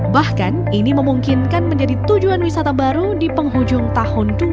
bahkan ini memungkinkan menjadi tujuan wisata baru di penghujung tahun dua ribu dua puluh